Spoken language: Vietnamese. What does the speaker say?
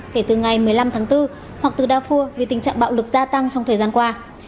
kể từ ngày một mươi năm tháng bốn hoặc từ đa phua vì tình trạng bạo lực gia tăng trong thời gian qua